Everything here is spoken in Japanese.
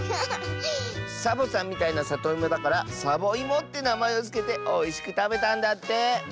サボさんみたいなさといもだから「サボいも」ってなまえをつけておいしくたべたんだって。